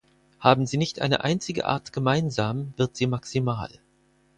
Haben sie nicht eine einzige Art gemeinsam, wird sie maximal.